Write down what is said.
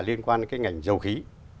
liên quan đến cái ngành dầu khí